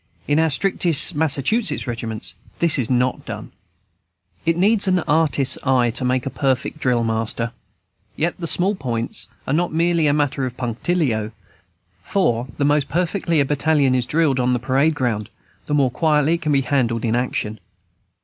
In our strictest Massachusetts regiments this is not done. It needs an artist's eye to make a perfect drill master. Yet the small points are not merely a matter of punctilio; for, the more perfectly a battalion is drilled on the parade ground the more quietly it can be handled in action.